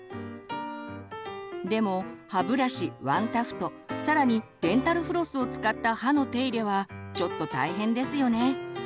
でも歯ブラシワンタフト更にデンタルフロスを使った歯の手入れはちょっと大変ですよね。